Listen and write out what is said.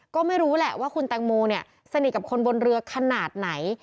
ก็ไม่รู้แหละว่าคุณแตงโมเนี่ยสนิทกับคนบนเรือขนาดไหน